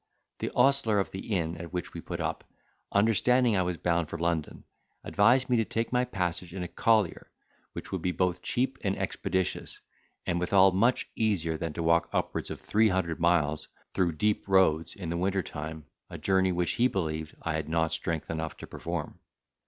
The ostler of the inn at which we put up, understanding I was bound for London, advised me to take my passage in a collier which would be both cheap and expeditious and withal much easier than to walk upwards of three hundred miles through deep roads in the winter time, a journey which he believed I had not strength enough to perform.